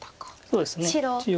そうですね一応。